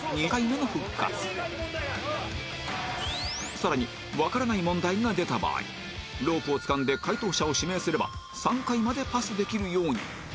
更にわからない問題が出た場合ロープをつかんで解答者を指名すれば３回までパスできるように